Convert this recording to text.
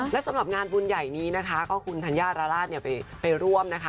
และสำหรับงานบุญใหญ่นี้นะคะก็คุณธัญญาราราชเนี่ยไปร่วมนะคะ